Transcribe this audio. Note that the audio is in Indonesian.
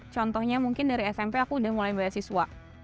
contohnya mungkin dari smp aku udah mulai beasiswa